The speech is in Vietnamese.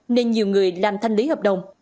nên nhiều người làm thanh lý hợp đồng